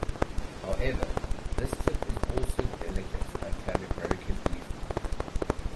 However, this tip is also delicate and can be broken easily.